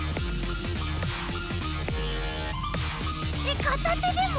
えっかたてでも？